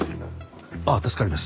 ああ助かります。